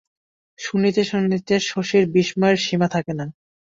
শুনিতে শুনিতে শশীর বিস্ময়ের সীমা থাকে না।